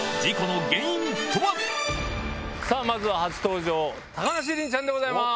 まずは初登場高梨臨ちゃんでございます。